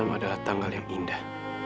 adalah tanggal yang indah